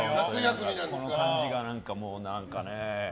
この感じが何かね。